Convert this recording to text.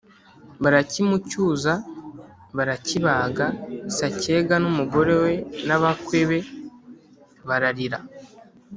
barakimucyuza, barakibaga, Sacyega n'umugore we n'abakwe be baririra,